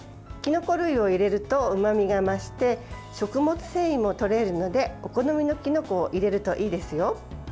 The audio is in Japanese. きのこ類を入れるとうまみが増して食物繊維もとれるのでお好みのきのこを入れるといいですよ。